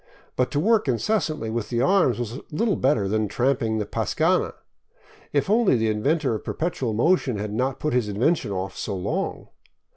But to work incessantly with the arms was little better than tramping the pascana. If only the inventor of perpetual motion had not put his invention off so long.